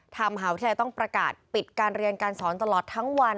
มหาวิทยาลัยต้องประกาศปิดการเรียนการสอนตลอดทั้งวัน